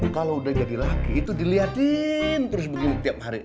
kalau udah jadi laki itu dilihatin terus begini tiap hari